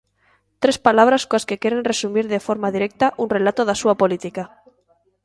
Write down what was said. Tres palabras coas que queren resumir de forma directa un relato da súa política.